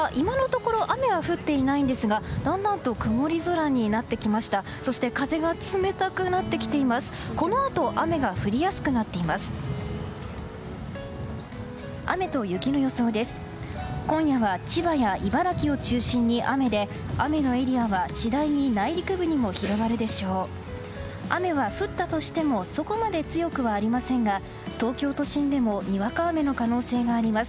このあと雨が降りやすくなっています。